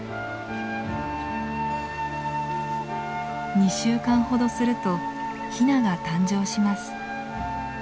２週間ほどするとヒナが誕生します。